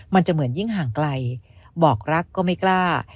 มันจะเหมือนยิ่งห่างไกลบอกรักก็ไม่กล้า